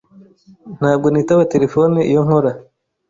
Ntabwo nitaba terefone iyo nkora.